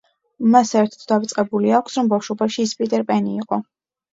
მას საერთოდ დავიწყებული აქვს, რომ ბავშვობაში ის პიტერ პენი იყო.